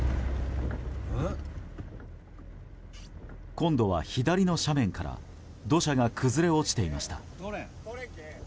今度は左の斜面から土砂が崩れ落ちていました。